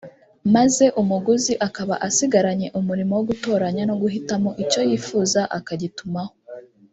maze umuguzi akaba asigaranye umurimo wo gutoranya no guhitamo icyo yifuza akagitumaho